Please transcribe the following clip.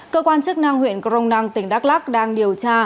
cơ quan chức năng huyện cronang tỉnh đắk lắc đang điều tra